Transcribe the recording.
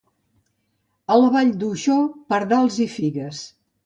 A la Vall d'Uixó, pardals i figues.